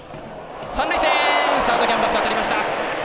サードキャンバス当たりました！